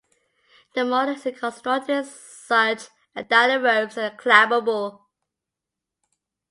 The model is constructed such that the ropes are climbable.